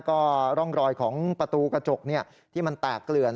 ก็ร่องรอยของประตูกระจกที่มันแตกเกลื่อน